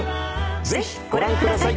ぜひご覧ください。